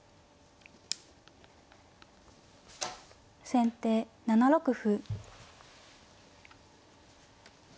先手７六歩。